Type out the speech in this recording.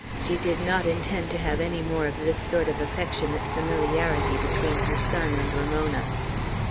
She did not intend to have any more of this sort of affectionate familiarity between her son and Ramona.